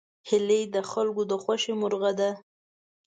هیلۍ د خلکو د خوښې مرغه ده